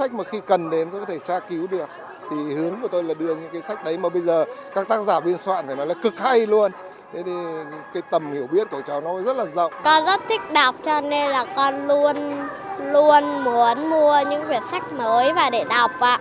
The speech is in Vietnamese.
con rất thích đọc cho nên là con luôn luôn muốn mua những cuốn sách mới và để đọc ạ